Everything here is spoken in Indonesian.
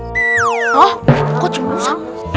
hah coach musa